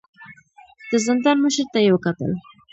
د زندان مشر ته يې وکتل.